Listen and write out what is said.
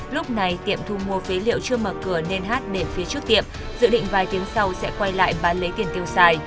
lúc này tiệm thu mua phế liệu chưa mở cửa nên hát để phía trước tiệm dự định vài tiếng sau sẽ quay lại bán lấy tiền tiêu xài